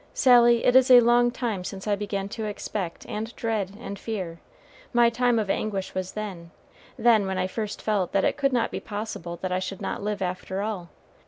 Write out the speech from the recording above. Sally, it is a long time since I began to expect and dread and fear. My time of anguish was then then when I first felt that it could be possible that I should not live after all.